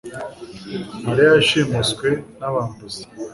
Mariya yashimuswe nabambuzi